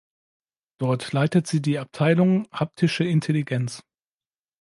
Dort leitet sie die Abteilung „Haptische Intelligenz“.